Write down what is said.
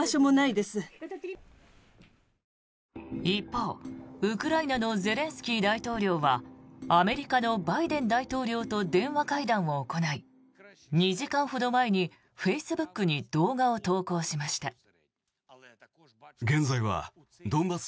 一方、ウクライナのゼレンスキー大統領はアメリカのバイデン大統領と電話会談を行い２時間ほど前にフェイスブックに動画を投稿しました。